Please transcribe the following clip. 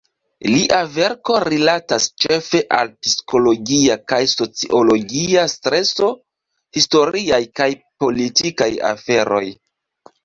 Lia verko rilatas ĉefe al psikologia kaj sociologia streso, historiaj kaj politikaj aferoj.